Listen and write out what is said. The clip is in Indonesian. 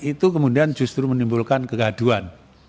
itu kemudian justru menimbulkan kegaduan